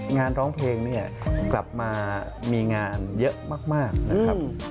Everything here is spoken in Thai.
งานร้องเพลงเนี่ยกลับมามีงานเยอะมากนะครับ